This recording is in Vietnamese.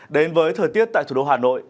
đến với thời tiết tại thủ đô hà nội